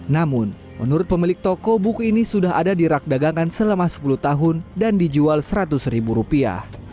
namun menurut pemilik toko buku ini sudah ada di rak dagangan selama sepuluh tahun dan dijual seratus ribu rupiah